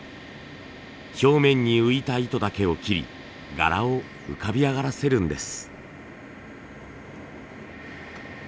表面に浮いた糸だけを切り柄を浮かび上がらせるんです。